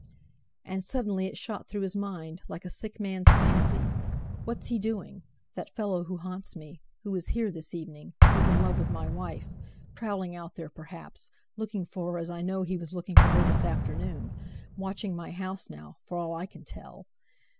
And suddenly it shot through his mind; like a sick man's fancy: What's he doing?—that fellow who haunts me, who was here this evening, who's in love with my wife—prowling out there, perhaps, looking for her as I know he was looking for her this afternoon; watching my house now, for all I can tell!